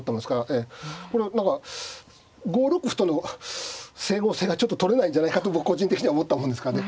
これは何か５六歩との整合性がちょっととれないんじゃないかと僕個人的には思ったもんですからね。